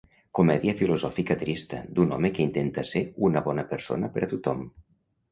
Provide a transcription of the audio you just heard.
Comèdia filosòfica trista d'un home que intenta ser una bona persona per a tothom.